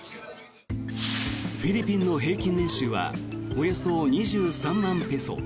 フィリピンの平均年収はおよそ２３万ペソ。